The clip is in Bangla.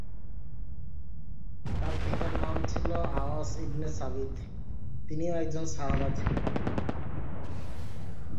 তার পিতার নাম ছিলো আওস ইবনে সাবিত, তিনিও একজন সাহাবা ছিলেন।